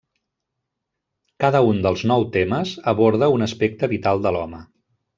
Cada un dels nou temes aborda un aspecte vital de l'home.